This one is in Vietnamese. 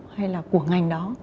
hay là của ngành đó